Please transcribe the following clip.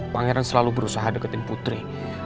pangeran selalu berusaha deketin putri